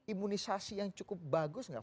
imunisasi yang cukup bagus nggak